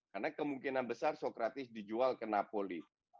karena kemungkinan besar sokratis dijual ke napoli